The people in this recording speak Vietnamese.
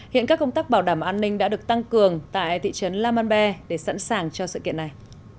hiện các công tác bảo đảm an ninh đã được tăng cường tại thị trấn lam an be để sẵn sàng cho sự kiện này